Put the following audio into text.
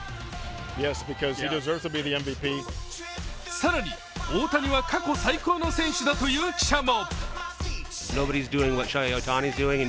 更に、大谷は過去最高だという記者も。